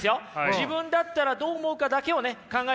自分だったらどう思うかだけをね考えてください。